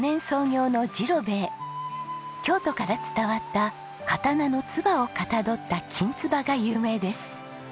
京都から伝わった刀の鍔をかたどったきんつばが有名です。